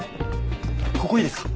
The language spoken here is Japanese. ここいいですか？